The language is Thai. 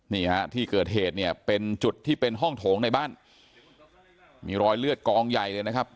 นี่ฮะที่เกิดเหตุเนี่ยเป็นจุดที่เป็นห้องโถงในบ้านมีรอยเลือดกองใหญ่เลยนะครับ